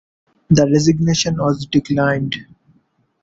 The resignation was declined.